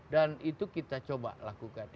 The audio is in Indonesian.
dan itu kita coba lakukan